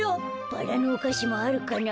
バラのおかしもあるかな。